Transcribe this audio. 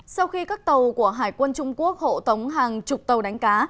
sau khi các tàu của hải quân trung quốc hộ tống hàng chục tàu đánh cá